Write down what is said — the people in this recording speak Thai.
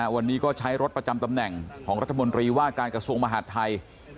วันนี้ก็ใช้รถประจำตำแหน่งของรัฐมนตรีว่าการกระทรวงมหาดไทย